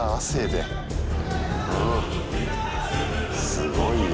すごいね。